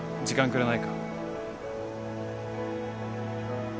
時間くれないか？